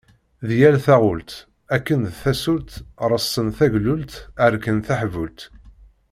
Di yal taɣult, akken d tasult, ṛeṣṣan taglult, ɛerken taḥbult.